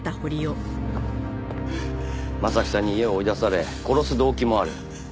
征木さんに家を追い出され殺す動機もある。